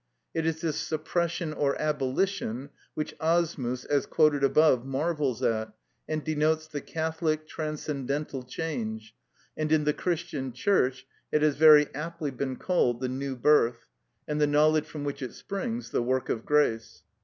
It is this suppression or abolition which Asmus, as quoted above, marvels at and denotes the "catholic, transcendental change;" and in the Christian Church it has very aptly been called the new birth, and the knowledge from which it springs, the work of grace.